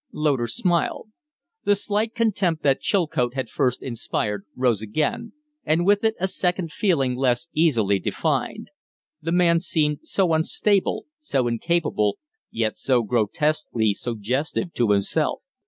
Loder smiled. The slight contempt that Chilcote had first inspired rose again, and with it a second feeling less easily defined. The man seemed so unstable, so incapable, yet so grotesquely suggestive to himself.